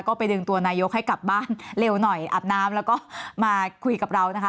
ก็ไปดึงตัวนายกให้กลับบ้านเร็วหน่อยอาบน้ำแล้วก็มาคุยกับเรานะคะ